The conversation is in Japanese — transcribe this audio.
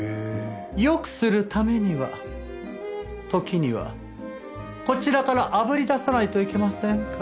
良くするためには時にはこちらから炙り出さないといけませんから。